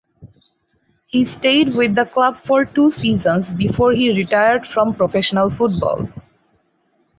He stayed with the club for two seasons before he retired from professional football.